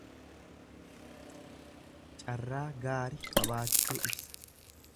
Carraa gaari qabaachuu ibsa.